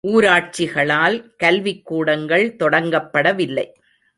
ஊராட்சிகளால் கல்விக்கூடங்கள் தொடங்கப்படவில்லை.